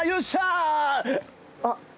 あっ。